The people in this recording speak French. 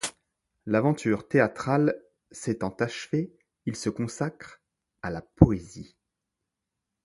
L'aventure théatrale s'étant achevée, il se consacre à la poésie.